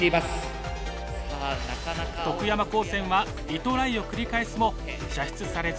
徳山高専はリトライを繰り返すも射出されず。